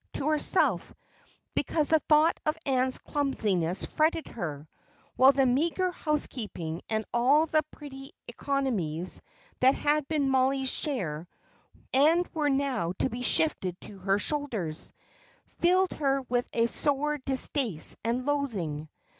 to herself because the thought of Ann's clumsiness fretted her; while the meagre housekeeping, and all the pretty economies that had been Mollie's share, and were now to be shifted to her shoulders, filled her with a sore distaste and loathing.